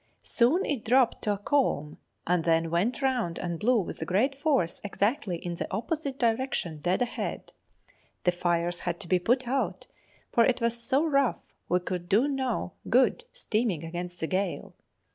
Soon it dropped to a calm, and then went round and blew with great force exactly in the opposite direction, dead ahead. The fires had to be put out, for it was so rough we could do no good steaming against the gale.